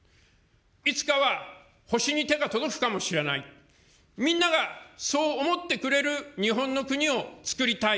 いつかは星に手が届くかもしれない、みんながそう思ってくれる日本の国をつくりたい。